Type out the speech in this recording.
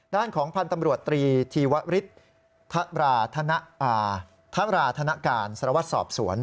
ด้านของพันธุ์ตำรวจตรีธีวริษฐราธนาการสรวจสอบสวน